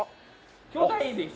兄弟です。